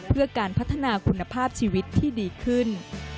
เพื่อการพัฒนาคุณภาพชีวิตที่ดีขึ้น